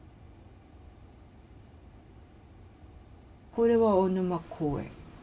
これは大沼公園。